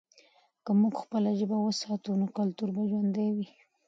که موږ خپله ژبه وساتو، نو کلتور به ژوندی وي.